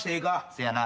せやな。